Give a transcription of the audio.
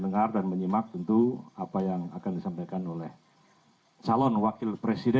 terima kasih terima kasih